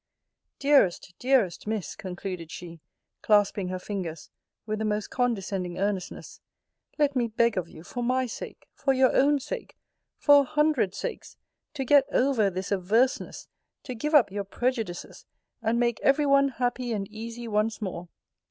Dearest, dearest Miss, concluded she, clasping her fingers, with the most condescending earnestness, let me beg of you, for my sake, for your own sake, for a hundred sakes, to get over this averseness, to give up your prejudices, and make every one happy and easy once more.